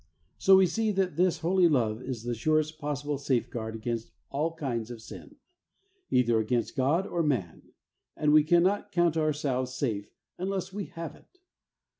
So we see that this holy love is the surest possible safeguard against all kinds of sin, either against God or man, and we cannot count ourselves safe unless we have it.